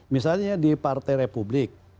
misalnya di partai republik